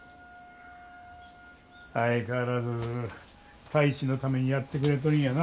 相変わらず太一のためにやってくれとるんやな。